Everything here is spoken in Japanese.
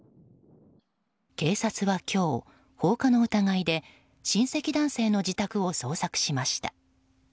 警察は今日、放火の疑いで親戚男性の自宅を捜索しました。